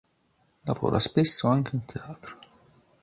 Lavora spesso anche in teatro.